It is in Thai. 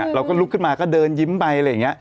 เราก็ลุกขึ้นมาก็เดินยิ้มไปอะไรอย่างนี้